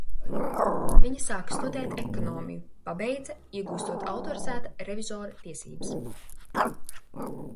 Viņa sāka studēt ekonomiju, pabeidza, iegūstot autorizēta revizora tiesības.